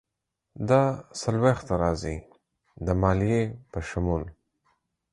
دا څلویښت ته راځي، د مالیې په شمول.